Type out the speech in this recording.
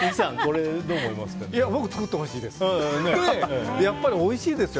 僕、作ってほしいです。